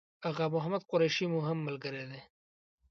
آغا محمد قریشي مو هم ملګری دی.